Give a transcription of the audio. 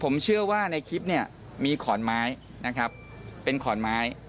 ผมเชื่อว่าในคลิปเนี่ยมีขอนไม้นะครับเป็นขอนไม้